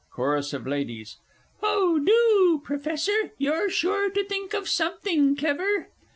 CHORUS OF LADIES. Oh, do, Professor you're sure to think of something clever!